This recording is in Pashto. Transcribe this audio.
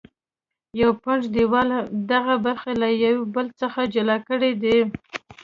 یو پنډ دیوال دغه برخې له یو بل څخه جلا کړې دي.